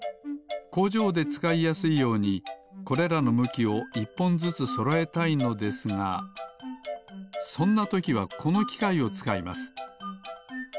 こうじょうでつかいやすいようにこれらのむきを１ぽんずつそろえたいのですがそんなときはこのきかいをつかいます。